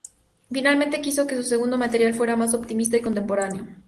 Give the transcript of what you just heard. Finalmente quiso que su segundo material fuera más optimista y contemporáneo.